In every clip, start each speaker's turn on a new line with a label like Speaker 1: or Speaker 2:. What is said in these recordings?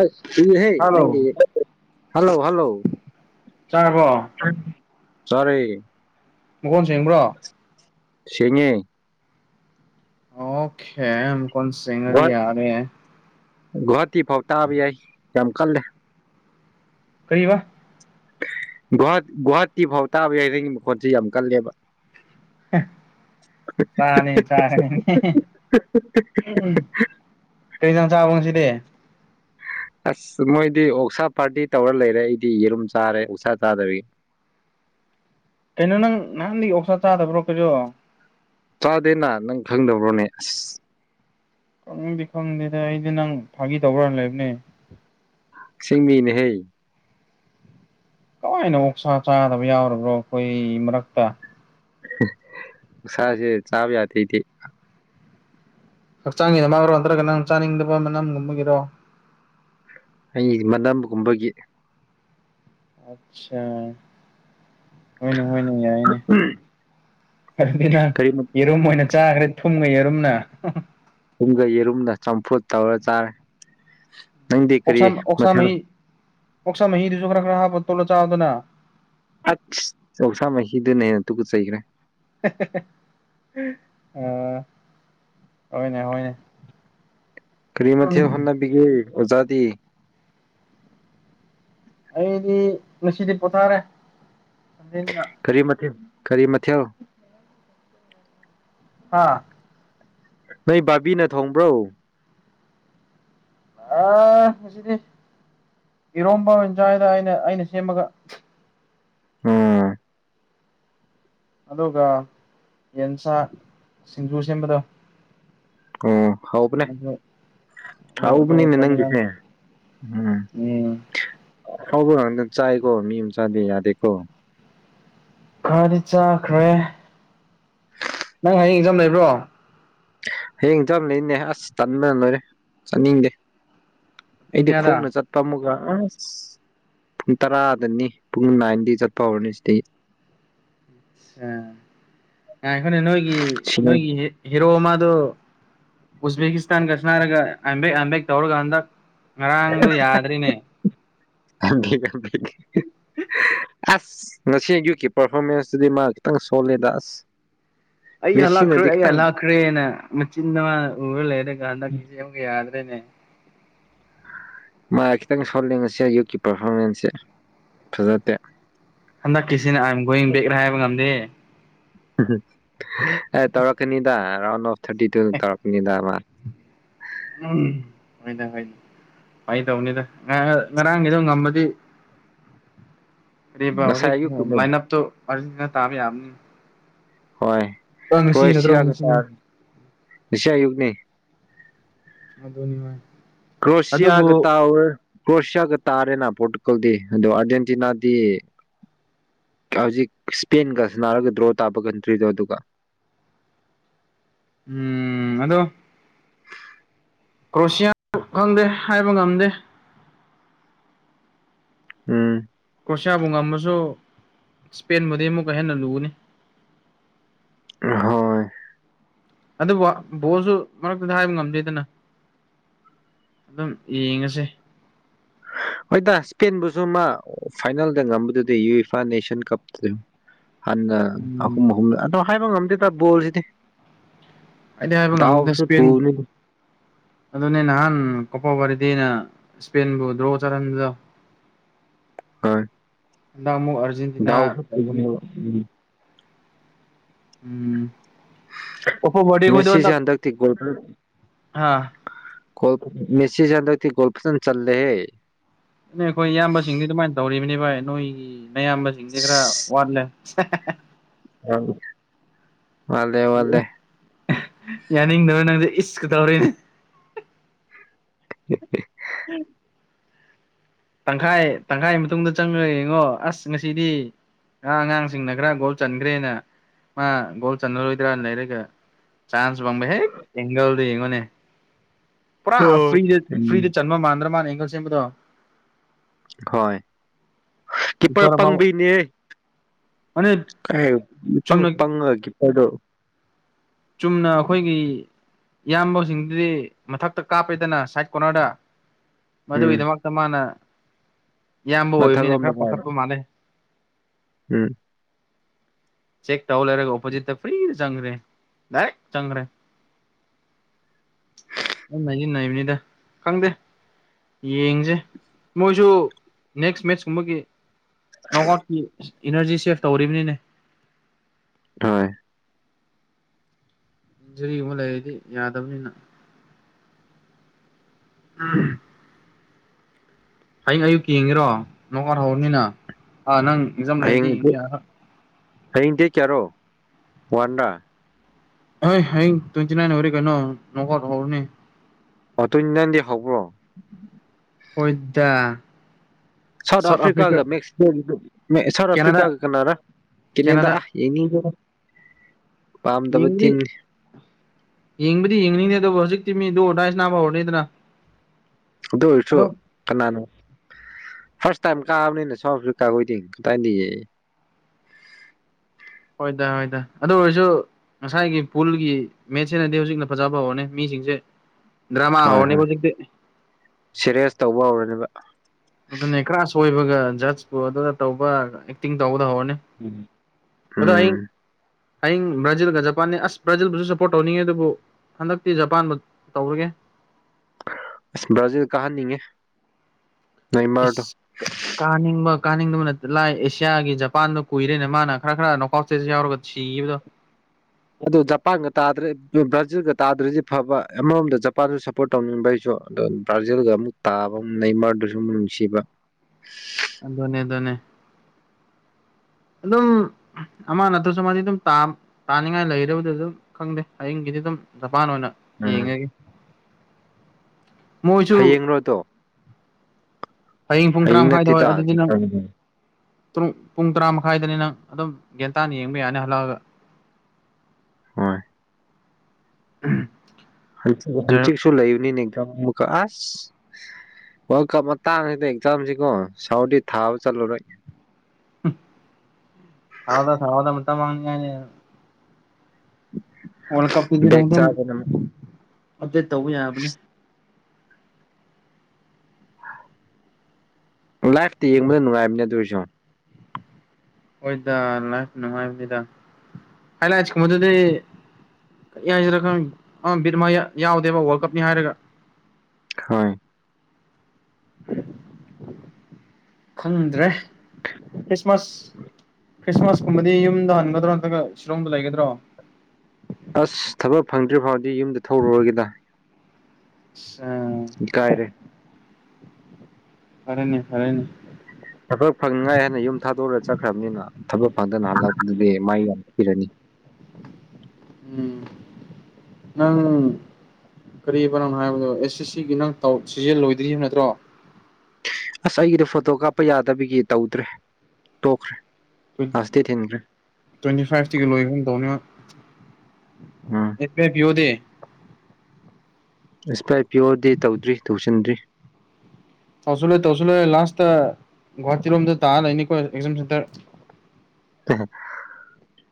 Speaker 1: ꯍꯦ ꯀꯨꯏꯍ‌ꯦ
Speaker 2: ꯍꯜꯂꯣ
Speaker 1: ꯅꯪꯒꯤ ꯍꯜꯂꯣ ꯍꯜꯂꯣ
Speaker 2: ꯆꯥꯔꯕꯣ
Speaker 1: ꯆꯥꯔꯦ
Speaker 2: ꯃꯈꯣꯟ ꯁꯦꯡꯕ꯭ꯔꯣ
Speaker 1: ꯁꯦꯡꯉꯦ
Speaker 2: ꯑꯣꯀꯦ ꯃꯈꯣꯟ ꯁꯦꯡꯉꯗꯤ
Speaker 1: ꯒꯨꯍꯥ
Speaker 2: ꯌꯥꯔꯦ ꯫
Speaker 1: ꯒꯨꯍꯥꯇꯤ ꯐꯥꯎ ꯇꯥꯕ ꯌꯥꯏ ꯌꯥꯝ ꯀꯜꯂꯦ
Speaker 2: ꯀꯔꯤꯕ
Speaker 1: ꯒꯨꯍꯥꯇꯤ ꯒꯨꯍꯥꯇꯤ ꯐꯥꯎ ꯇꯥꯕ ꯌꯥꯏ ꯅꯪꯒꯤ ꯃꯈꯣꯠꯁꯤ ꯌꯥꯝ ꯀꯜꯂꯦꯕ ꯫
Speaker 2: [unintelligible] ꯆꯥꯅꯤ ꯆꯥꯔꯅꯤ ꯀꯩ ꯏꯟꯁꯥꯡ ꯆꯥꯕ ꯉꯁꯤꯗꯤ
Speaker 1: ꯑꯁ ꯃꯣꯏꯗꯤ ꯑꯣꯛꯁꯥ ꯄꯥꯔꯇꯤ ꯇꯧꯔ ꯂꯩꯔꯦ ꯑꯩꯗꯤ ꯌꯦꯔꯨꯝ ꯆꯥꯔꯦ ꯑꯣꯛꯁꯥ ꯆꯥꯗꯕꯤ ꯫
Speaker 2: ꯀꯩꯅꯣ ꯅꯪ ꯅꯍꯥꯟꯗꯒꯤ ꯑꯣꯛꯁꯥ ꯆꯥꯗꯕ꯭ꯔꯣ ꯀꯩꯅꯣ
Speaker 1: ꯆꯥꯗꯦꯅ ꯅꯪ ꯈꯪꯗꯕ꯭ꯔꯣꯅꯦ ꯑꯁ
Speaker 2: ꯈꯪꯗꯦ ꯈꯪꯗꯦꯗ ꯑꯩꯗꯤ ꯅꯪ ꯐꯥꯒꯤ ꯇꯧꯕ꯭ꯔꯥꯅ ꯂꯩꯕꯅꯦ ꯫
Speaker 1: ꯆꯤꯡꯃꯤꯅꯦꯍꯩ
Speaker 2: ꯀꯃꯥꯏꯅ ꯑꯣꯛꯁꯥ ꯆꯥꯗꯕ ꯌꯥꯎꯔꯕ꯭ꯔꯣ ꯑꯩꯈꯣꯏ ꯃꯔꯛꯇ ꯫
Speaker 1: ꯁꯥꯁꯦ ꯆꯥꯕ ꯌꯥꯗꯦꯅꯦ
Speaker 2: ꯍꯛꯆꯥꯡꯒꯤ ꯃꯥꯅꯝꯔꯣ ꯅꯠꯇ꯭ꯔꯒ ꯅꯪ ꯆꯥꯅꯤꯡꯗꯕ ꯃꯅꯝꯒꯨꯝꯕꯒꯤꯔꯣ
Speaker 1: ꯑꯩ ꯃꯅꯝꯒꯨꯝꯕꯒꯤ
Speaker 2: ꯑꯆꯥ ꯍꯣꯏꯅꯦ ꯍꯣꯏꯅꯦ ꯌꯥꯅꯦ ꯫
Speaker 1: ꯀꯔꯤ
Speaker 2: ꯑꯔꯨꯝ ꯑꯣꯏꯅ ꯆꯥꯈ꯭ꯔꯦ ꯊꯨꯝꯒ ꯑꯔꯨꯝꯅ
Speaker 1: ꯊꯨꯝꯒ ꯌꯦꯔꯨꯝꯅ ꯆꯝꯐꯨꯠ ꯇꯧꯔ ꯆꯥꯔꯦ ꯅꯪꯗꯤ ꯀꯔꯤ ꯃꯊꯦꯜ
Speaker 2: ꯀꯣꯛꯁꯥ ꯃꯍꯤꯗꯨꯁꯨ ꯈꯔ ꯈꯔ ꯍꯥꯞꯄ ꯇꯣꯠꯂ ꯆꯥꯎꯗꯅ ꯫
Speaker 1: ꯑꯁ ꯑꯣꯛꯁꯥ ꯃꯍꯤꯗꯨꯅ ꯍꯦꯟꯅꯇꯨꯒꯠ ꯆꯩꯈ꯭ꯔꯦ
Speaker 2: [unintelligible] ꯑ ꯍꯣꯏꯅꯦ ꯍꯣꯏꯅꯦ
Speaker 1: ꯀꯔꯤꯃꯊꯦꯜ ꯍꯣꯟꯅꯕꯤꯒꯦ ꯑꯣꯖꯥꯗꯤ ꯫
Speaker 2: ꯑꯩꯗꯤ ꯉꯁꯤꯗꯤ ꯄꯣꯊꯥꯔꯦ ꯑꯩ ꯆ
Speaker 1: ꯀꯔꯤ ꯃꯊꯦꯜ ꯀꯔꯤ ꯃꯊꯦꯜ
Speaker 2: ꯍꯥ
Speaker 1: ꯅꯣꯏ ꯕꯥꯕꯤꯅ ꯊꯣꯡꯕ꯭ꯔꯣ
Speaker 2: ꯑ ꯉꯁꯤꯗꯤ ꯏꯔꯣꯝꯕ ꯑꯣꯏꯅꯆꯥꯏꯗ ꯑꯩꯅ ꯑꯩꯅ ꯁꯦꯝꯃꯒ
Speaker 1: ꯎꯝ
Speaker 2: ꯑꯗꯨꯒ ꯌꯦꯟꯁꯥ ꯁꯤꯡꯖꯨ ꯁꯦꯝꯕꯗꯣ
Speaker 1: ꯑꯣ ꯍꯥꯎꯕꯅꯦ
Speaker 2: ꯑꯗꯨ ꯑꯗꯨ ꯑꯗꯨꯒ
Speaker 1: ꯍꯥꯎꯕꯅꯤꯅꯦ
Speaker 2: ꯆꯥꯃꯤꯟꯅꯔꯦ
Speaker 1: ꯅꯪꯁꯦ ꯎꯝ
Speaker 2: ꯎꯝ
Speaker 1: ꯑꯍꯥꯎꯕ ꯉꯛꯇ ꯆꯥꯏꯀꯣ ꯃꯤ ꯃꯆꯥꯗꯤ ꯌꯥꯗꯀꯣ ꯫
Speaker 2: ꯈꯔꯗꯤ ꯆꯥꯈ꯭ꯔꯦ ꯅꯪ ꯍꯌꯦꯡ ꯑꯦꯛꯖꯥꯝ ꯂꯩꯕ꯭ꯔꯣ
Speaker 1: ꯍꯌꯦꯡ ꯑꯦꯛꯖꯝ ꯂꯩꯅꯦ ꯑꯁ ꯇꯟꯕꯅ ꯂꯣꯏꯔꯦ ꯆꯠꯅꯤꯡꯗꯦ
Speaker 2: ꯄꯨꯡ
Speaker 1: ꯑꯩꯗꯤ
Speaker 2: ꯀꯌꯥꯗ
Speaker 1: ꯈꯣꯡꯅ ꯆꯠ ꯇꯃꯒ ꯑꯁ ꯄꯨꯡ ꯇꯔꯥꯗꯅꯤ ꯄꯨꯡ ꯅꯥꯏꯟꯗꯒꯤ ꯆꯠꯄ ꯍꯧꯔꯅꯤ ꯁꯤꯗꯩ ꯫
Speaker 2: ꯎꯝ ꯉꯥꯏꯈꯣꯅꯦ ꯅꯣꯏꯒꯤ
Speaker 1: ꯁꯤꯒꯤ
Speaker 2: ꯅꯣꯏꯒꯤ ꯍꯤꯔꯣ ꯃꯗꯣ ꯎꯖꯕꯦꯀꯤꯁꯇꯥꯟꯒ ꯁꯅꯥꯔꯒ ꯑꯦꯝꯕꯦꯛ ꯑꯦꯝꯕꯦꯛ ꯇꯧꯔꯒ ꯍꯟꯗꯛ ꯫ ꯉꯔꯥꯡꯗꯣ ꯌꯥꯗ꯭ꯔꯤꯅꯦ
Speaker 1: ꯀꯝ [unintelligible] ꯑꯁ ꯉꯁꯤ ꯌꯨꯠꯀꯤ ꯄꯥꯔꯐꯣꯃꯦꯟꯁꯇꯨꯗꯤ ꯃꯥ ꯈꯤꯇꯪ ꯁꯣꯜꯂꯦꯗ ꯑꯁ
Speaker 2: ꯑꯩ ꯍꯜꯂꯛꯈ꯭ꯔꯦ
Speaker 1: ꯃꯦꯁꯤꯅꯗꯤ
Speaker 2: ꯑꯩ
Speaker 1: ꯈꯤꯇꯪ
Speaker 2: ꯍꯜꯂꯛꯈ꯭ꯔꯦꯅ ꯃꯆꯤꯟꯅ ꯎꯔ ꯂꯩꯔꯒ ꯍꯟꯗꯛꯀꯤꯁꯦ ꯑꯃꯨꯛꯀ ꯌꯥꯗ꯭ꯔꯦꯅꯦ
Speaker 1: ꯃꯥ ꯈꯤꯇꯪ ꯍꯣꯜꯂ‌ꯦ ꯑꯌꯨꯛꯀꯤ ꯄꯥꯔꯐꯣꯃꯦꯟꯁꯁꯦ ꯐꯖꯇꯦ
Speaker 2: ꯍꯟꯗꯛꯀꯤꯁꯤꯅ ꯑꯥꯏꯑꯦꯝ ꯒꯣꯌꯤꯟ ꯕꯦꯛꯔ ꯍꯥꯏꯕ ꯉꯝꯗꯦ
Speaker 1: ꯑꯦ ꯇꯧꯔꯛꯀꯅꯤꯗ ꯔꯥꯎꯟ ꯑꯣꯐ ꯊꯔꯇꯤ ꯇꯨ ꯇꯩꯔꯛꯀꯅꯤꯗ ꯃꯥ
Speaker 2: ꯎꯝ ꯍꯣꯏꯗ ꯍꯣꯏꯗ ꯐꯒꯤ ꯇꯧꯅꯤꯗ ꯉꯥ ꯉꯔꯥꯡꯒꯤꯗꯣ ꯉꯝꯃꯗꯤ ꯀꯔꯤꯕꯥ
Speaker 1: ꯉꯁꯥꯏ
Speaker 2: ꯍꯧꯖꯤꯛꯀꯤ
Speaker 1: ꯑꯌꯨꯛꯀꯤꯅꯦ
Speaker 2: ꯂꯥꯏꯟ ꯑꯞꯇꯣ ꯐꯖꯅ ꯇꯥꯕ ꯌꯥꯕꯅꯤꯅꯦ
Speaker 1: ꯍꯣꯏ ꯍꯣꯏ
Speaker 2: ꯅꯠꯇ꯭ꯔꯣ
Speaker 1: ꯁꯤꯑꯥꯔꯒ ꯇꯥꯔ
Speaker 2: ꯉꯁꯤꯅꯤ
Speaker 1: ꯉꯁꯤ ꯑꯌꯨꯛꯅꯤ
Speaker 2: ꯑꯗꯨꯅꯤ ꯍꯣꯏ ꯑꯗꯨꯕꯨ
Speaker 1: ꯀ꯭ꯔꯣꯁꯤꯌꯥꯒ ꯇꯥꯎꯔ ꯀ꯭ꯔꯣꯁꯤꯌꯥꯒ ꯇꯥꯔꯦꯅ ꯄꯔꯣꯇꯨꯒꯜꯗꯤ ꯑꯗꯣ ꯑꯥꯔꯖꯦꯟꯇꯤꯅꯥꯗꯤ ꯍꯧꯖꯤꯛ ꯏꯁ꯭ꯄꯦꯟꯒ ꯁꯅꯔꯒ ꯗ꯭ꯔꯣ ꯇꯥꯕ ꯀꯟꯇ꯭ꯔꯤꯗꯣ ꯑꯗꯨꯒ
Speaker 2: ꯎꯝ ꯑꯗꯣ ꯀ꯭ꯔꯣꯁꯤꯌꯥ ꯈꯪꯗꯦ ꯍꯥꯏꯕ ꯉꯝꯗꯦ
Speaker 1: ꯎꯝ
Speaker 2: ꯀ꯭ꯔꯣꯁꯤꯌꯥꯕꯨ ꯉꯝꯃꯁꯨ ꯁ꯭ꯄꯦꯟꯕꯨꯗꯤ ꯑꯃꯨꯛꯀ ꯍꯦꯟꯅ ꯂꯨꯒꯅꯤ
Speaker 1: ꯑꯍꯣꯏ
Speaker 2: ꯑꯗꯨꯕꯨ ꯕꯣꯜꯁꯨ ꯃꯔꯛꯇꯗꯤ ꯍꯥꯏꯕ ꯉꯝꯗ‌ꯦꯗꯅ ꯑꯗꯨꯝ ꯌꯦꯡꯉꯁꯦ
Speaker 1: ꯍꯣꯏꯇꯥ ꯏꯁꯄꯦꯟꯕꯨꯁꯨ ꯃꯥ ꯐꯥꯏꯅꯦꯜꯗ ꯉꯝꯕꯗꯨꯗꯤ ꯌꯨꯌꯤꯐꯥ ꯅꯦꯁꯟ ꯀꯞꯇꯨ ꯍꯟꯅ
Speaker 2: ꯎꯝ
Speaker 1: ꯑꯍꯨꯝ ꯑꯍꯨꯝ ꯑꯗꯣ ꯍꯥꯏꯕ ꯉꯝꯗꯦꯗ ꯕꯣꯜꯁꯤꯗꯤ
Speaker 2: ꯑꯩꯗꯤ ꯍꯥꯏꯕ ꯉꯝꯗꯦ
Speaker 1: ꯗꯥꯎꯁꯨ
Speaker 2: ꯏꯁꯄꯦꯟ
Speaker 1: ꯄꯨꯅꯤꯗ
Speaker 2: ꯑꯗꯨꯅꯦ ꯅꯍꯥꯟ ꯀꯣꯄ ꯋꯥꯔꯤꯗꯤꯅ ꯏꯁꯄꯦꯟꯕꯨ ꯗ꯭ꯔꯣ ꯆꯠꯍꯟꯕꯗꯣ
Speaker 1: ꯑꯥꯏ
Speaker 2: ꯍꯟꯗꯛ ꯑꯃꯨꯛ ꯑꯔꯖꯦꯟꯇꯤꯅꯥ ꯇꯧꯕꯅꯤ
Speaker 1: ꯎꯝ
Speaker 2: ꯎꯝ ꯀꯣꯄꯥ ꯕꯥꯔꯗꯦ ꯈꯣꯏꯗꯣ
Speaker 1: ꯃꯦꯁꯤꯁꯦ
Speaker 2: ꯍꯟꯗꯛ
Speaker 1: ꯍꯟꯗꯛꯇꯤ ꯒꯣꯜꯗꯔ
Speaker 2: ꯍꯥ
Speaker 1: ꯀꯣꯜ ꯃꯦꯁꯤ ꯍꯟꯗꯛꯇꯤ ꯒꯣꯜ‌ ꯐꯖꯅ ꯆꯜꯂꯦꯍꯦ
Speaker 2: ꯅꯣꯏ ꯈꯣꯏ ꯏꯌꯥꯝꯕꯁꯤꯡꯗꯤ ꯑꯗꯨꯃꯥꯏꯅ ꯇꯧꯔꯤꯕꯅꯦ ꯚꯥꯏ ꯅꯣꯏꯒꯤ ꯅꯌꯥꯝꯕ ꯁꯤꯡꯁꯦ ꯈꯔ ꯋꯥꯠꯂꯦ
Speaker 1: ꯑꯪ
Speaker 2: ꯌꯥꯅꯤꯡꯗꯕ ꯅꯪꯗꯤ ꯏꯁꯀ ꯇꯧꯔꯤ
Speaker 1: [unintelligible]
Speaker 2: [unintelligible] ꯇꯪꯈꯥꯏ ꯇꯪꯈꯥꯏ ꯃꯇꯨꯡꯗ ꯆꯪꯉꯒ ꯌꯦꯡꯉꯣ ꯑꯁ ꯉꯁꯤꯗꯤ ꯑ ꯑꯉꯥꯡꯁꯤꯡꯅ ꯈꯔ ꯒꯣꯜ ꯆꯟꯈ꯭ꯔꯦꯅ ꯃꯥ ꯒꯣꯜ ꯆꯜꯅꯔꯣꯏꯗ꯭ꯔꯥꯅ ꯂꯩꯔꯒ ꯆꯥꯟꯁ ꯐ ꯪꯕ ꯍꯦꯛ ꯑꯦꯡꯒꯜꯗ ꯌꯦꯡꯉꯣꯅꯦ ꯄꯨꯔꯥ
Speaker 1: ꯑꯣ
Speaker 2: ꯐ꯭ꯔꯤꯗ ꯐ꯭ꯔꯤꯗ
Speaker 1: ꯎꯝ
Speaker 2: ꯆꯟꯕ ꯃꯥꯟꯗ꯭ꯔꯥ ꯃꯥꯅ ꯑꯦꯡꯒꯜ ꯁꯦꯝꯕꯗꯣ
Speaker 1: ꯍꯣꯏ ꯀꯤꯄꯔ
Speaker 2: ꯏꯄꯥꯔ ꯐꯥꯎ
Speaker 1: ꯄꯪꯕꯩꯅꯦꯌꯦ
Speaker 2: ꯑꯗꯨ
Speaker 1: ꯀꯦ ꯏꯄꯪ
Speaker 2: ꯆꯨꯝꯅ
Speaker 1: ꯄꯪꯉ ꯀꯤꯄꯔꯗꯣ
Speaker 2: ꯆꯨꯝꯅ ꯑꯩꯈꯣꯏꯒꯤ ꯏꯌꯥꯝꯕꯁꯤꯡꯗꯨꯗꯤ ꯃꯊꯛꯇ ꯀꯥꯞꯄꯦꯗꯅ ꯁꯥꯏꯠ ꯀꯣꯔꯅꯔꯗ
Speaker 1: ꯎꯝ
Speaker 2: ꯃꯗꯨꯒꯤꯗꯃꯛꯇ ꯃꯥꯅ ꯏꯌꯥꯝꯕ ꯑꯣꯏꯕꯅꯤꯅ
Speaker 1: ꯃꯊꯛꯔꯣꯝꯗ
Speaker 2: ꯈꯔ
Speaker 1: ꯉꯥꯏꯕ
Speaker 2: ꯄꯥꯈꯠꯄ ꯃꯥꯜꯂꯦ
Speaker 1: ꯎꯝ
Speaker 2: ꯆꯦꯛ ꯇꯥꯎꯔ ꯂꯩꯔꯒ ꯑꯣꯄꯣꯖꯤꯠ ꯐꯔꯤꯗ ꯆꯪꯒꯔ꯭ꯦ ꯗꯥꯏꯔꯦꯛ ꯆꯪꯒꯔ꯭ꯦ ꯑꯩꯅꯗꯤ ꯅꯩꯕꯅꯤꯗ ꯈꯪꯗꯦ ꯌꯦꯡꯁꯦ ꯃꯣꯏꯁꯨ ꯅꯦꯛꯁ ꯃꯦꯠꯁ ꯒꯨꯝꯕꯒꯤ ꯅꯣꯛ ꯑꯥꯎꯠꯀꯤ ꯏꯅꯔꯖꯤ ꯁꯦꯞꯁ ꯇꯧꯔꯤꯕꯅꯤꯅꯦ
Speaker 1: ꯇꯥꯏ
Speaker 2: ꯖꯨꯔꯤꯒꯨꯝꯕ ꯂꯩꯔꯗꯤ ꯌꯥꯗꯕꯅꯤꯅ [unintelligible] ꯍꯌꯦꯡ ꯑꯌꯨꯛ ꯌꯦꯡꯉꯤꯔꯣ ꯅꯣꯡ ꯑꯥꯎꯠ ꯍꯧꯔꯅꯤꯅ ꯑ ꯅꯪ ꯑꯦꯛꯖꯥꯝ
Speaker 1: ꯍꯌꯦꯡ
Speaker 2: ꯂꯩꯔꯗꯤ ꯌꯦꯡꯕ
Speaker 1: [unintelligible]
Speaker 2: ꯌꯥꯔꯔꯣꯏ
Speaker 1: ꯍꯌꯦꯡ ꯗꯦꯠ ꯀꯌꯥꯔꯣ ꯋꯥꯟꯔ
Speaker 2: ꯑꯣꯏ ꯍꯌꯦꯡ ꯇ꯭ꯋꯦꯟꯇꯤ ꯅꯥꯏꯟ ꯑꯣꯏꯔꯦ ꯀꯩꯅꯣ ꯅꯣꯛ ꯑꯥꯎꯠ ꯍꯧꯔꯅꯤ
Speaker 1: ꯑꯣ ꯇ꯭ꯋꯦꯟꯇꯤ ꯅꯥꯏꯟ ꯗꯩ ꯍꯧꯕ꯭ꯔꯣ
Speaker 2: ꯍꯣꯏꯗꯥ
Speaker 1: ꯁꯥꯎꯠ ꯑꯥꯐ꯭ꯔꯤꯀꯥꯒ ꯃꯦꯛꯁꯤꯀꯣꯒꯤꯗꯣ ꯃꯦꯛ ꯁꯥꯎꯠ
Speaker 2: ꯀꯦꯅꯥꯗꯥ
Speaker 1: ꯑꯐ꯭ꯔꯤꯀꯥꯒ ꯀꯅꯥꯔ ꯀꯦꯅꯦꯗꯥ
Speaker 2: ꯀꯦꯅꯥꯗꯥ
Speaker 1: ꯑꯥ? ꯌꯦꯡꯅꯤꯡ [unintelligible]
Speaker 2: ꯌꯦꯡꯒꯅꯤ ꯌꯦꯡꯕꯗꯤ ꯌꯦꯡꯅꯤꯡꯗꯦ ꯑꯗꯨꯕꯨ ꯍꯧꯖꯤꯛꯇꯤ ꯃꯤ ꯗꯨ ꯑꯣꯔ ꯗꯥꯏ ꯁꯅꯥꯕ ꯍꯧꯔꯅꯤꯗꯅ
Speaker 1: ꯑꯗꯨ ꯑꯣꯏꯔꯁꯨ
Speaker 2: ꯑꯗꯨꯝ
Speaker 1: ꯀꯅꯥꯅꯣ ꯐꯥꯔꯁ ꯇꯥꯏꯝ ꯀꯥꯕꯅꯤꯅ ꯁꯥꯎꯠ ꯑꯐ꯭ꯔꯤꯀꯥ ꯈꯣꯏꯗꯤ ꯀꯗꯥꯏꯗꯒꯤ
Speaker 2: ꯍꯣꯏꯗ ꯍꯣꯏꯗ ꯑꯗꯨ ꯑꯣꯏꯔꯖꯨ ꯉꯁꯥꯏꯒꯤ ꯄꯨꯜꯒꯤ ꯃꯦꯠꯁ ꯁꯤꯅꯗꯤ ꯍꯧꯖꯤꯛꯅ ꯐꯖꯕ ꯍꯧꯔꯅꯤ ꯃꯤꯁꯤꯡꯁꯦ ꯗ꯭ꯔꯃꯥ ꯍꯥꯎꯔꯅꯤ ꯍꯧꯖꯤꯛꯇꯤ
Speaker 1: ꯁꯦꯔꯦꯁ ꯇꯧꯕ ꯍꯧꯔꯅꯦꯕ
Speaker 2: ꯑꯗꯨꯅꯦ ꯈꯥꯔ ꯁꯣꯏꯕꯒ ꯖꯠꯁꯄꯨ ꯑꯗꯨꯗ ꯇꯧꯕ ꯑꯦꯛꯇꯤꯡ ꯇꯧꯕꯗꯣ ꯍꯧꯔꯅꯤ
Speaker 1: ꯎꯝ
Speaker 2: ꯑꯗꯣ ꯑꯥꯌꯤꯡ
Speaker 1: ꯎꯝ
Speaker 2: ꯍꯌꯤꯡ ꯕ꯭ꯔꯥꯖꯤꯜꯒ ꯖꯥꯄꯥꯟꯅꯦ ꯑꯁ ꯕ꯭ꯔꯥꯖꯤꯜꯕꯨꯁꯨ ꯁꯞꯄꯣꯔꯠ ꯇꯧꯅꯤꯡꯉꯦ ꯑꯗꯨꯕꯨ ꯍꯟꯗꯛꯇꯤ ꯖꯥꯄꯥꯟꯕꯨ ꯇꯧꯔꯒꯦ
Speaker 1: ꯑꯁ ꯕ꯭ꯔꯥꯖꯤꯜ ꯀꯥꯍꯟꯅꯤꯡꯉꯦ ꯅꯦꯃꯥꯔꯗꯣ
Speaker 2: ꯑꯁ ꯀꯥ ꯀꯥꯍꯟꯅꯤꯡꯕ ꯀꯥꯅꯤꯡꯗꯕ ꯅꯠꯇ ꯂꯥꯏ ꯑꯦꯁꯤꯌꯥꯒꯤ ꯖꯥꯄꯥꯟꯗꯣ ꯀꯨꯏꯔꯦꯅ ꯃꯥꯅ ꯈꯔ ꯈꯔ ꯅꯣꯛꯀꯥꯎ ꯁ꯭ꯇꯦꯖ ꯌꯥꯎꯔꯒ ꯁꯤꯕꯗꯣ
Speaker 1: ꯑꯗꯨ ꯖꯥꯄꯥꯟꯒ ꯇꯥꯗ꯭ꯔꯦ [unintelligible] ꯕ꯭ꯔꯥꯖꯤꯜꯒ ꯇꯥꯗ꯭ꯔꯗꯤ ꯐꯥꯕ ꯑꯃꯔꯣꯝꯗ ꯖꯥꯄꯥꯟꯁꯨ ꯁꯞ ꯁꯥꯄꯣꯔꯠ ꯇꯧꯅꯤꯡꯕ ꯑꯩꯁꯨ ꯑꯗꯣ ꯕ꯭ꯔꯥꯖꯤꯜꯒ ꯑꯃꯨꯛ ꯇꯥꯕ ꯃꯨ ꯅꯩꯃꯥꯔꯗꯨꯁꯨ ꯑꯃꯨꯛ ꯅꯨꯡꯁꯤꯕ
Speaker 2: ꯑꯗꯨꯅꯦ ꯑꯗꯨꯅꯦ ꯑꯗꯨꯝ ꯑꯃ ꯅꯠꯇ꯭ꯔꯁꯨ ꯑꯃꯗꯤ ꯑꯗꯨꯝ ꯇꯥꯝ ꯇꯥꯅꯤꯡꯉꯥꯏ ꯂꯩꯗꯕꯗꯨ ꯑꯗꯨꯝ ꯈꯪꯗꯦ ꯍꯥꯌꯦꯡꯒꯤꯗꯤ ꯑꯗꯨꯝ ꯖꯥꯄꯥꯟ ꯑꯣꯏꯅ
Speaker 1: ꯎꯝ
Speaker 2: ꯌꯦꯡꯉꯒꯦ꯫ ꯃꯣꯏꯁꯨ
Speaker 1: ꯍꯥꯌꯦꯡꯔꯣ ꯗꯣ?
Speaker 2: ꯍꯥꯌꯦꯡ ꯄꯨꯡ ꯇꯔꯥ ꯃꯈꯥꯏꯗ ꯍꯣꯏ ꯑꯗꯨꯗꯤ ꯅꯪ
Speaker 1: ꯖꯄꯥꯟꯒꯤ
Speaker 2: ꯇꯨꯃꯨꯛ ꯄꯨꯡ ꯇꯔꯥ ꯃꯈꯥꯏꯗꯅꯤ ꯅꯪ ꯑꯗꯨꯝ ꯒ꯭ꯦꯌꯥꯟꯇꯥꯅ ꯌꯦꯡꯕ ꯌꯥꯅꯤ ꯍꯜꯂꯛꯑꯒ
Speaker 1: ꯍꯣꯏ
Speaker 2: [unintelligible]
Speaker 1: ꯍꯪꯆꯤ [unintelligible]
Speaker 2: ꯖꯔ
Speaker 1: ꯍꯪꯆꯤꯛꯁꯨ ꯂꯩꯕꯅꯤꯅꯦ ꯗ꯭ꯥꯔꯝ ꯃꯨꯛꯀꯥ ꯑꯁ ꯋꯥꯜ ꯀꯞ ꯃꯇꯥꯡꯁꯤꯗ ꯑꯦꯛꯖꯥꯝꯖꯤꯀꯣ ꯁꯥꯎꯔꯗꯤ ꯊꯥꯕ ꯆꯠꯂꯥꯔꯣꯏ
Speaker 2: [unintelligible] ꯊꯥꯑꯣꯗꯥ ꯊꯥꯑꯣꯗꯥ ꯃꯇꯝ ꯃꯥꯥꯡꯅꯤꯉꯥꯏꯅꯦ ꯋꯜ ꯀꯞꯀꯤꯗꯤ ꯅꯪ
Speaker 1: ꯕꯦꯛ
Speaker 2: ꯑꯗꯨꯝ
Speaker 1: ꯆꯥꯗꯅ
Speaker 2: ꯑꯞꯗꯦꯠ ꯇꯧꯕ ꯌꯥꯕꯅꯦ
Speaker 1: ꯂꯥꯏꯐꯇ ꯌꯦꯡꯕꯅ ꯅꯨꯡꯉꯥꯏꯕꯅꯦ ꯑꯗꯨ ꯑꯣꯏꯔꯖꯨ
Speaker 2: ꯍꯣꯏꯗ ꯂꯥꯏꯐ ꯅꯨꯡꯉꯥꯏꯕꯅꯤꯗ ꯍꯥꯏ ꯂꯥꯏꯠꯁ ꯀꯨꯝꯕꯗꯨꯗꯤ ꯀꯔꯤ ꯍꯥꯏꯁꯤꯔꯥ ꯈꯪ ꯑꯥ ꯕꯤꯠꯑꯃꯥ ꯌꯥ ꯌꯥꯎꯗꯦꯕ ꯋꯥꯔꯜ ꯀꯞꯅꯤ ꯍꯥꯏꯔꯒ
Speaker 1: ꯍꯣꯏ
Speaker 2: ꯈꯪꯗ꯭ꯔꯦ ꯈ꯭ꯔꯤꯁꯃꯁ ꯈ꯭ꯔꯤꯁꯃꯥꯁ ꯀꯨꯝꯕꯗꯤ ꯌꯨꯝꯗ ꯍꯟꯒꯗ꯭ꯔꯣ ꯅꯠꯇ꯭ꯔꯒ ꯁꯤꯂꯣꯡꯗ ꯂꯩꯒꯗ꯭ꯔꯣ?
Speaker 1: ꯑꯁ ꯊꯕꯛ ꯐꯪꯗ꯭ꯔꯤ ꯐꯥꯎꯗꯤ ꯌꯨꯝꯗ ꯊꯣꯛꯔꯥꯔꯣꯏꯒꯦꯗ
Speaker 2: [unintelligible]
Speaker 1: ꯏꯀꯥꯏꯔꯦ
Speaker 2: ꯐꯔꯦꯅꯦ ꯐꯔꯦꯅꯦ
Speaker 1: ꯊꯕꯛ ꯐꯪꯅꯤꯉꯥꯏ ꯍꯥꯏꯅ ꯌꯨꯝ ꯊꯥꯗꯣꯛꯔꯒꯥ ꯆꯠꯈ꯭ꯔꯕꯅꯤꯅ ꯊꯕꯛ ꯐꯪꯗꯅ ꯍꯜꯂꯛꯄꯗꯨꯗꯤ ꯃꯥꯏ ꯌꯥꯝ ꯄꯤꯔꯅꯤ
Speaker 2: ꯎꯝ ꯅꯪ ꯀꯔꯤꯕ ꯅꯪꯅ ꯍꯥꯏꯕꯗꯣ ꯑꯦꯁ ꯁꯤ ꯁꯤ ꯒꯤ ꯅꯪ ꯇꯧ ꯁꯤꯖꯤꯑꯦꯜ ꯂꯣꯏꯗꯔꯤ ꯍꯥꯏꯕ ꯅꯠꯇ꯭ꯔꯣ?
Speaker 1: ꯑꯁ ꯑꯩꯒꯤꯗꯣ ꯐꯣꯇꯣ ꯀꯥꯞꯄ ꯌꯥꯗꯕꯤꯒꯤ ꯇꯧꯗ꯭ꯔꯦ ꯇꯣꯛꯈ꯭ꯔꯦ ꯂꯥꯁ ꯗꯦꯠ ꯍꯦꯟꯈ꯭ꯔꯦ
Speaker 2: ꯇ꯭ꯋꯦꯟꯇꯤꯐꯥꯚꯏ ꯇꯒꯤ ꯂꯣꯏꯕꯒꯨꯝ ꯇꯧꯕꯅꯦꯕ
Speaker 1: ꯎꯝ
Speaker 2: ꯑꯦꯠꯄꯦ ꯄꯤꯌꯣꯗꯦ
Speaker 1: ꯏꯁꯕꯤꯑꯥꯏ ꯄꯤꯌꯣꯗꯤ ꯇꯧꯗ꯭ꯔꯤ ꯇꯧꯁꯤꯟꯗ꯭ꯔꯤ
Speaker 2: ꯇꯧꯁꯜꯂꯣ ꯇꯧꯁꯜꯂꯣ ꯂꯥꯁꯇ ꯒꯨꯍꯥꯇꯤ ꯂꯣꯝꯗ ꯇꯔꯥ ꯂꯩꯅꯤꯀꯣ ꯑꯦꯛꯖꯥꯝ ꯁꯦꯟꯇꯔ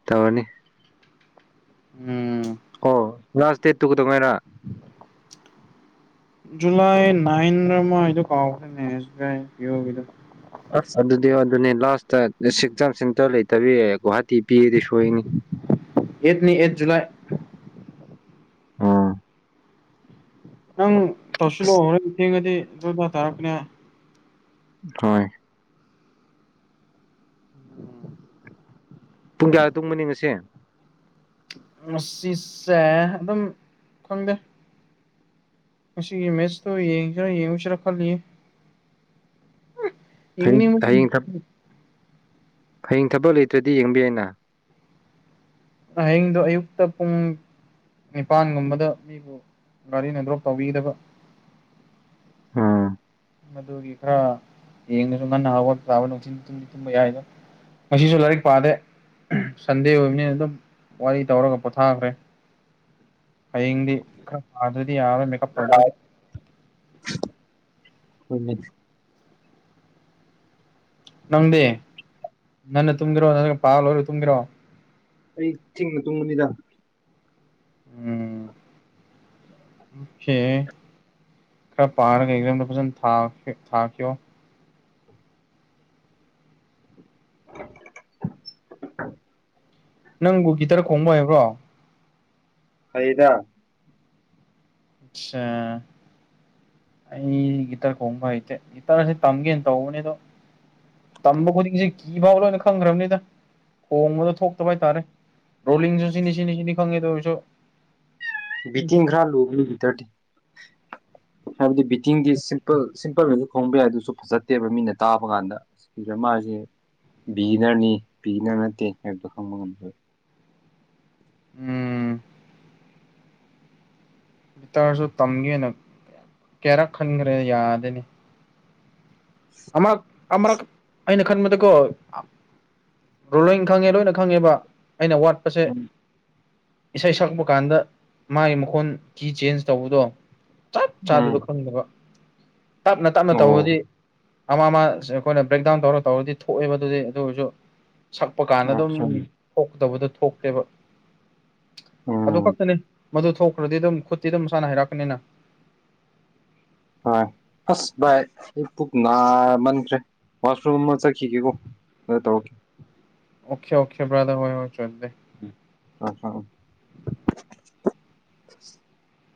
Speaker 1: ꯇꯩꯔꯅꯤ
Speaker 2: ꯎꯝ
Speaker 1: ꯑꯣ ꯂꯥꯁ ꯗꯦꯠꯇꯨ ꯀꯩꯗꯧꯉꯩꯔꯥ
Speaker 2: ꯖꯨꯂꯥꯏ ꯅꯥꯟꯔꯥ ꯃꯥꯏꯗꯨ ꯀꯥꯎꯈ꯭ꯔꯅꯦ ꯑꯦꯁꯕꯤꯑꯥꯏ ꯄꯤꯌꯣ ꯒꯤꯗꯣ
Speaker 1: ꯑꯁ ꯑꯗꯨꯗꯤ ꯑꯗꯨꯅꯦ ꯂꯥꯁꯇ ꯑꯦꯛꯖꯥꯝ ꯁꯦꯟꯇꯔ ꯂꯩꯇꯕꯤ ꯒꯨꯍꯥꯇꯤ ꯄꯤꯔꯗꯤ ꯁꯣꯏꯅꯤ
Speaker 2: ꯑꯦꯠꯅꯤ ꯑꯦꯠ ꯖꯨꯂꯥꯏ
Speaker 1: ꯑꯣ
Speaker 2: ꯅꯪ
Speaker 1: ꯑꯁ
Speaker 2: ꯇꯧꯁꯤꯜꯂꯛꯑꯣ ꯍꯣꯔꯦꯟ ꯊꯦꯡꯉꯗꯤ ꯂꯣꯏꯕ ꯇꯥꯔꯛꯄꯅꯦ
Speaker 1: ꯍꯣꯏ
Speaker 2: ꯎꯝ
Speaker 1: ꯄꯨꯡ ꯀꯌꯥ ꯇꯨꯝꯒꯅꯤ ꯉꯁꯦ
Speaker 2: ꯉꯁꯤꯁꯦ ꯑꯗꯨꯝ ꯈꯪꯗꯦ ꯉꯒꯤꯁꯤ ꯃꯦꯁꯇꯣ ꯌꯦꯡꯁꯤꯔ ꯌꯦꯡꯉꯣꯁꯤꯔ ꯈꯜꯂꯤꯑꯦ
Speaker 1: ꯍꯌꯦꯡ ꯍꯌꯦꯡ
Speaker 2: [unintelligible]
Speaker 1: ꯍꯌꯦꯡ ꯊꯕꯛ ꯂꯩꯇ꯭ꯔꯗꯤ ꯌꯦꯡꯕ ꯌꯥꯏꯅ
Speaker 2: ꯍꯌꯦꯡꯗꯣ ꯑꯌꯨꯛꯇ ꯄꯨꯡ ꯅꯤꯄꯥꯟꯒꯨꯝꯕꯗ ꯃꯤꯕꯨ ꯒꯥꯔꯤꯅ ꯗ꯭ꯔꯣꯞ ꯇꯧꯕꯤꯒꯗꯕ
Speaker 1: ꯑꯥ
Speaker 2: ꯃꯗꯨꯒꯤ ꯈꯔꯥ ꯌꯦꯡꯗꯨꯁꯨ ꯉꯟꯅ ꯍꯧꯒꯠꯇꯥꯕꯅꯨꯡꯊꯤꯜꯗ ꯇꯨꯝ ꯇꯨꯝꯕ ꯌꯥꯏꯗ ꯉꯁꯤꯁꯨ ꯂꯥꯏꯔꯤꯛ ꯄꯥꯗꯦ ꯁꯟꯗꯦ ꯑꯣꯏꯕꯅꯤꯅ ꯑꯗꯨꯝ ꯋꯥꯔꯤ ꯇꯧꯔꯒ ꯄꯣꯊꯥꯈ꯭ꯔꯦ ꯍꯌꯦꯡꯗꯤ ꯈ꯭ꯔ ꯄꯗ꯭ꯔꯥꯗꯤ ꯌꯥꯔꯣꯏ
Speaker 1: [unintelligible]
Speaker 2: ꯅꯪꯗꯤ ꯉꯟꯅ ꯇꯨꯝꯒꯦꯔꯣ ꯅꯠꯇ꯭ꯔꯥ ꯄꯥ ꯂꯣꯏꯔ ꯇꯨꯝꯒꯦꯔꯣ
Speaker 1: ꯑꯩ ꯊꯦꯡꯅ ꯇꯨꯝꯒꯅꯤꯗꯥ
Speaker 2: ꯎꯝ
Speaker 1: [unintelligible]
Speaker 2: ꯑꯣꯀꯦ ꯈꯔ ꯄꯥꯔꯒ ꯑꯦꯛꯖꯝꯗꯣ ꯐꯖꯅ ꯊꯥꯈꯤ ꯊꯥꯈꯤꯌꯣ
Speaker 1: [inaudible]
Speaker 2: ꯅꯪꯕꯨ ꯒꯤꯇꯔ ꯈꯣꯡꯕ ꯍꯩꯕ꯭ꯔꯣ
Speaker 1: ꯍꯩꯗꯥ
Speaker 2: ꯑꯆꯥ ꯑꯩ ꯒꯤꯇꯔ ꯈꯣꯡꯕ ꯍꯩꯇꯦ ꯒꯤꯇꯔꯁꯦ ꯇꯝꯒꯦꯅ ꯇꯧꯕꯅꯦꯗꯣ ꯇꯝꯕ ꯈꯨꯗꯤꯡꯁꯦ ꯀꯤꯐꯥꯎ ꯂꯣꯏꯅ ꯈꯪꯈ꯭ꯔꯕꯅꯤꯗ ꯈꯣꯡꯕꯗꯣ ꯊꯣꯛꯇꯕ ꯍꯥꯏꯇꯥꯔꯦ ꯔꯣꯂꯤꯡꯁꯨ ꯁꯤꯅꯤ ꯁꯤꯅꯤ ꯁꯤꯅꯤ ꯈꯪꯉꯦ ꯑꯗꯨ ꯑꯣꯏꯔꯁꯨ
Speaker 1: ꯕꯤꯠꯇꯤꯡꯈ꯭ꯔ ꯂꯨꯕꯅꯤ ꯒꯤꯇꯔꯗꯤ ꯇꯤꯡꯗꯤ ꯁꯤꯝꯄꯜ ꯁꯤꯝꯄꯜꯒꯁꯨ ꯈꯣꯡꯕ ꯌꯥꯏ ꯑꯗꯨꯁꯨ ꯐꯖꯠꯇꯦꯕ ꯃꯤꯅ ꯇꯥꯕ ꯀꯥꯟꯗ ꯃꯁꯦ ꯕꯤꯒꯤꯅꯔꯅꯤ ꯕꯤꯒꯅꯔ ꯅꯠꯇꯦ ꯍꯥꯏꯕ ꯈꯪꯕ ꯉꯝꯗꯣꯏꯕ
Speaker 2: ꯎꯝ ꯒꯤꯇꯔꯁꯨ ꯇꯝꯒꯦꯅ ꯀꯌꯥꯔꯛ ꯈꯟꯈ꯭ꯔꯦ ꯌꯥꯗꯦꯅꯦ ꯑꯃꯥꯔꯛ ꯑꯃꯥꯔꯛ ꯑꯩꯅ ꯈꯥꯟꯕꯗꯀꯣ ꯔꯣꯂꯤꯡ ꯈꯪꯉꯦ ꯂꯣꯏꯅ ꯈꯪꯉꯦꯕ ꯑꯩꯅ ꯋꯥꯠꯄꯁꯦ ꯏꯁꯩ ꯁꯛꯄ ꯀꯥꯟꯗ ꯃꯥꯒꯤ ꯃꯈꯣꯟꯒꯤ ꯆꯦꯟꯖ ꯇꯧꯕꯗꯣ ꯆꯞ
Speaker 1: ꯎꯝ
Speaker 2: ꯆꯥꯕꯤꯗꯣ ꯈꯪꯗꯕ ꯇꯞꯅ ꯇꯞꯅ
Speaker 1: ꯑꯣ
Speaker 2: ꯇꯧꯕꯗꯤ ꯑꯃ ꯑꯃ ꯑꯩꯈꯣꯏꯅ ꯕ꯭ꯔꯦꯛꯗꯥꯎꯟ ꯇꯧꯔ ꯇꯧꯔꯗꯤ ꯊꯣꯛꯑꯦꯕ ꯑꯗꯨꯗꯤ ꯑꯗꯨ ꯑꯣꯏꯔꯁꯨ ꯁꯛꯄ ꯀꯥꯟꯗ ꯑꯗꯨꯝ
Speaker 1: ꯑꯣꯀꯦ
Speaker 2: ꯊꯣꯛꯇꯕꯗꯣ ꯊꯣꯛꯇꯦꯕ ꯑꯗꯨ
Speaker 1: ꯎꯝ
Speaker 2: ꯈꯛꯇꯅꯤ ꯃꯗꯨ ꯊꯣꯛꯈ꯭ꯔꯗꯤ ꯑꯗꯨꯝ ꯈꯨꯠꯇꯤ ꯑꯗꯨꯝ ꯃꯁꯥꯅ ꯍꯥꯏꯔꯛꯀꯅꯤꯅ
Speaker 1: ꯍꯣꯏ ꯑꯁ ꯚꯥꯏ ꯑꯩ ꯄꯨꯛ ꯅꯥꯃꯟꯈ꯭ꯔꯦ ꯋꯥꯁꯔꯨꯝ ꯃꯥ ꯆꯠꯈꯤꯒꯦꯀꯣ ꯍ ꯇꯣ ꯑꯣꯀꯦ ꯫
Speaker 2: ꯑꯣꯈꯦ ꯑꯣꯈꯦ ꯭ꯔꯥꯙꯣꯏ ꯍꯎ
Speaker 1: ꯑ ꯍ